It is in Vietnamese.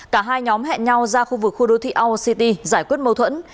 cả hai nhóm hẹn nhau ra khu vực khu đô thị our city giải quyết mâu thuẫn